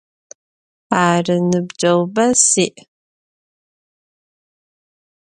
Arı, nıbceğube si'.